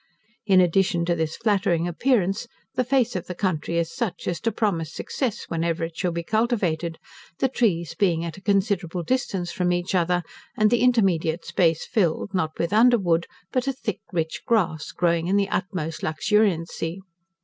In addition to this flattering appearance, the face of the country is such, as to promise success whenever it shall be cultivated, the trees being at a considerable distance from each other, and the intermediate space filled, not with underwood, but a thick rich grass, growing in the utmost luxuriancy.